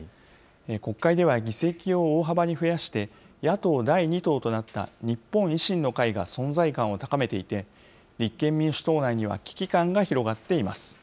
国会では議席を大幅に増やして、野党第２党となった日本維新の会が存在感を高めていて、立憲民主党内には危機感が広がっています。